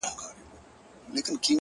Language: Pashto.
تا په درد كاتــــه اشــــنــــا ـ